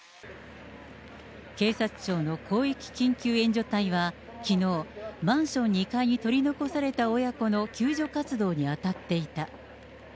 警察庁の広域緊急援助隊はきのう、マンション２階に取り残された親子の救助活動に当たっていた。